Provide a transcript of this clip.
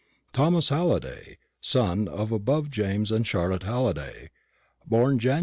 "Thomas Halliday, son of the above James and Charlotte Halliday, b. Jan.